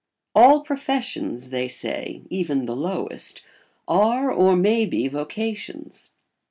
All professions, they say, even the lowest, are or may be vocations.